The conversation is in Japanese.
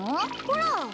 ほら！